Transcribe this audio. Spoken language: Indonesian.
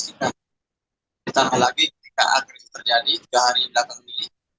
tentang lagi ketika akhirnya terjadi tiga hari yang datang ini